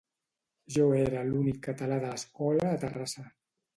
Jo era l'únic català de l'escola a Terrassa